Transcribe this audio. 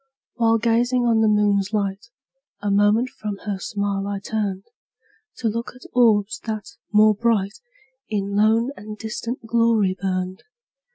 While gazing on the moon's light, A moment from her smile I turned, To look at orbs, that, more bright, In lone and distant glory burned.